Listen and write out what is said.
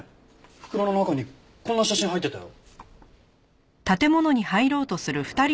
袋の中にこんな写真入ってたよ。